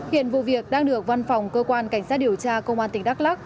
hiện vụ việc đang được văn phòng cơ quan cảnh sát điều tra công an tỉnh đắk lắc